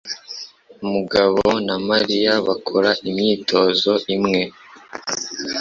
Mugabo na Mariya bakora imyitozo imwe.